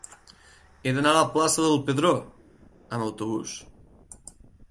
He d'anar a la plaça del Pedró amb autobús.